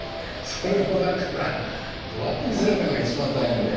それをだからどうやって見せるかが一番大変で。